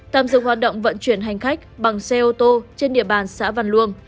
tạm dừng hoạt động vận chuyển hành khách bằng xe ô tô trên địa bàn xã văn luông